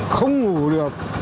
không ngủ được